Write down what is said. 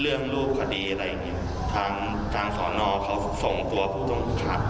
เรื่องรูปคดีอะไรอย่างเงี้ยทางทางศนเขาส่งตัวผู้ต้องพัด